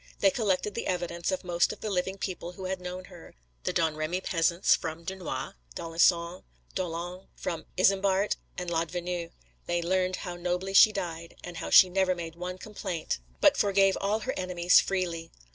They collected the evidence of most of the living people who had known her, the Domremy peasants, from Dunois, d'Alençon, d'Aulon, from Isambart and l'Advenu, they learned how nobly she died, and how she never made one complaint, but forgave all her enemies freely.